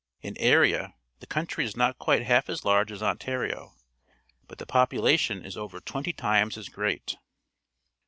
In area the countiy is not quite half as large as Ontario, but the population is over twenty times as great.